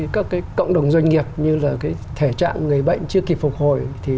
các cái cộng đồng doanh nghiệp như là cái thể trạng người bệnh chưa kịp phục hồi